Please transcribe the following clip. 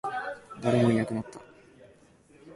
誰もいなくなった